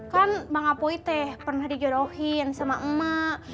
kan bang apoy teh pernah dijodohin sama emak